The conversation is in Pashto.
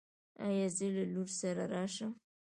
ایا زه له لور سره راشم؟